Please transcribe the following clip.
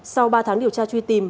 sau ba tháng điều tra truy tìm